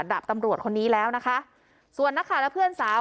ดาบตำรวจคนนี้แล้วนะคะส่วนนักข่าวและเพื่อนสาว